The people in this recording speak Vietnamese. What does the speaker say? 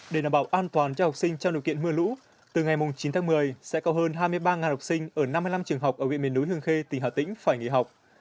để đảm bảo an toàn cho học sinh trong điều kiện mưa lũ từ ngày chín tháng một mươi sẽ có hơn hai mươi ba học sinh ở năm mươi năm trường học ở huyện miền núi hương khê tỉnh hà tĩnh phải nghỉ học